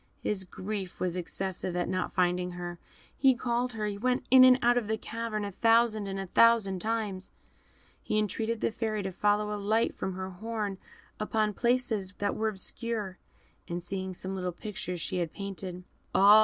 His grief was excessive at not finding her; he called her, he went in and out of the cavern a thousand and a thousand times, he entreated the Fairy to throw a light from her horn upon places that were obscure, and seeing some little pictures she had painted "Ah!